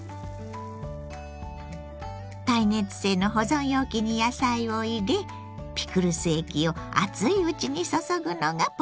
耐熱性の保存容器に野菜を入れピクルス液を熱いうちに注ぐのがポイント。